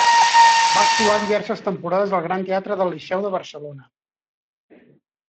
Va actuar diverses temporades al Gran Teatre del Liceu de Barcelona.